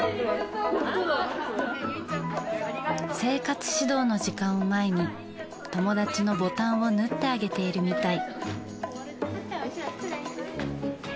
生活指導の時間を前に友達のボタンを縫ってあげているみたい。